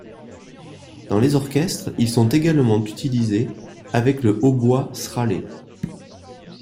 Dans les orchestres ils sont également utilisés avec le hautbois sralay.